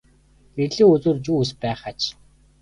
Эрлийн үзүүрт юу эс байх аж.